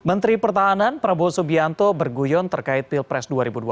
menteri pertahanan prabowo subianto berguyon terkait pilpres dua ribu dua puluh